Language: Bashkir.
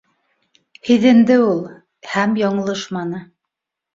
Һиҙенде ул һәм яңылышманы.